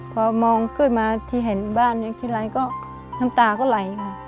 พอมองขึ้นมาที่เห็นบ้านอย่างเกียรติก็น้ำตาก็ไหล